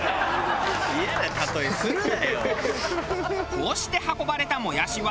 こうして運ばれたもやしは。